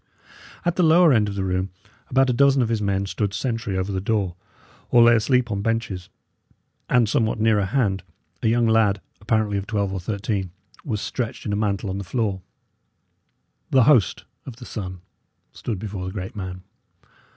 At the lower end of the room about a dozen of his men stood sentry over the door or lay asleep on benches; and somewhat nearer hand, a young lad, apparently of twelve or thirteen, was stretched in a mantle on the floor. The host of the Sun stood before the great man.